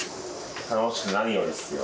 楽しくて何よりですよ